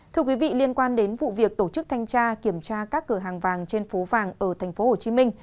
thưa quý vị liên quan đến vụ việc tổ chức thanh tra kiểm tra các cửa hàng vàng trên phố vàng ở tp hcm